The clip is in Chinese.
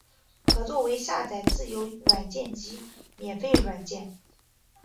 可用作下载自由软件及免费软件。